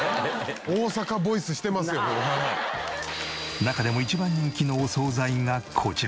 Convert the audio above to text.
中でも一番人気のお惣菜がこちら。